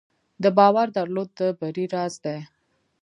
د باور درلودل د بری راز دی.